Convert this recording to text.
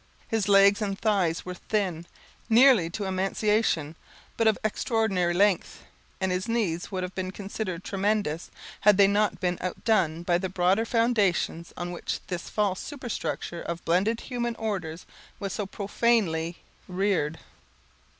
His legs and thighs were thin, nearly to emaciation, but of extraordinary length; and his knees would have been considered tremendous, had they not been outdone by the broader foundations on which this false superstructure of blended human orders was so profanely reared.